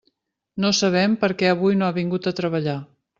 No sabem per què avui no ha vingut a treballar.